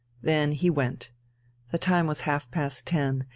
Then he went. The time was half past ten.